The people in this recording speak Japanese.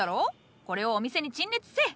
これをお店に陳列せい！